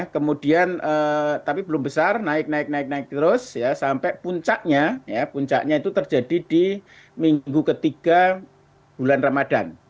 kemudian tapi belum besar naik naik naik naik terus ya sampai puncaknya ya puncaknya itu terjadi di minggu ketiga bulan ramadan